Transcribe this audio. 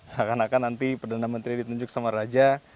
seakan akan nanti perdana menteri ditunjuk sama raja